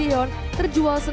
dan juga perempuan dari